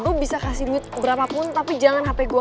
gak kasih duit berapa pun tapi jangan hape gue